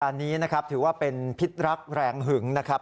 อันนี้นะครับถือว่าเป็นพิษรักแรงหึงนะครับ